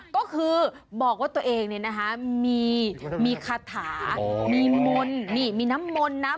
ก็คือบอกว่าตัวเองเนี่ยนะคะมีคาถามีมนต์นี่มีน้ำมนต์นะ